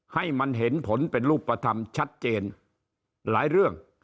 ให้มันเห็นผลเป็นรูปธรรมชัดเจนหลายเรื่อง